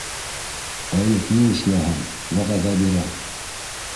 Әйүп ни эшләһен- вәғәҙә бирә.